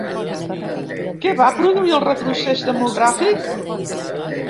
Què va produir el retrocés demogràfic?